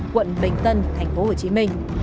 quận bình tân tp hcm